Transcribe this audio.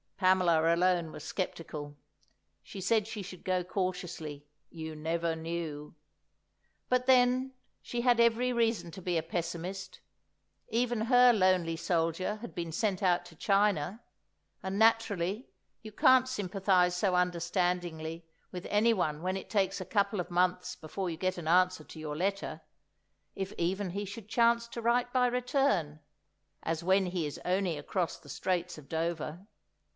Pamela alone was sceptical; she said she should go cautiously, you never knew! But then, she had every reason to be a pessimist; even her "lonely soldier" had been sent out to China, and, naturally, you can't sympathise so understandingly with anyone when it takes a couple of months before you get an answer to your letter (if even he should chance to write by return), as when he is only across the Straits of Dover.